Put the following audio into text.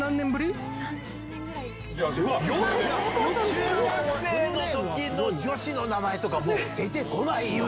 中学生の時の女子の名前とかもう出てこないよ！